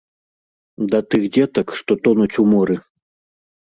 Да тых дзетак, што тонуць у моры.